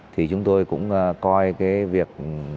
thì chúng tôi cũng coi cái việc